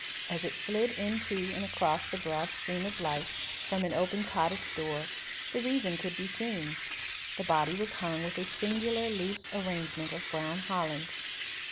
As it slid into and across the broad stream of light from an open cottage door the reason could be seen. The body was hung with a singular loose arrangement of brown holland.